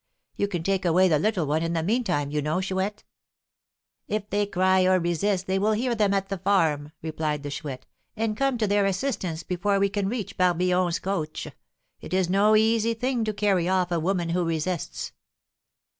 You can take away the little one in the meantime, you know, Chouette." "If they cry or resist, they will hear them at the farm," replied the Chouette, "and come to their assistance before we can reach Barbillon's coach. It is no easy thing to carry off a woman who resists."